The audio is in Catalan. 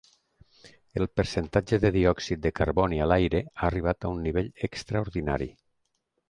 El percentatge de diòxid de carboni a l'aire ha arribat a un nivell extraordinari.